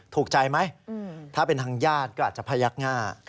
ถูกใจไหมถ้าเป็นทางญาติก็อาจจะพยักหน้า